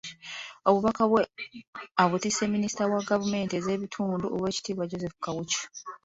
Obubaka bwe abutisse minisita wa gavumenti ez'ebitundu Oweekitiibwa Joseph Kawuki.